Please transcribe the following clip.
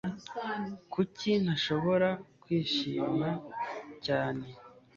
kuki ntashobora kwishima cyane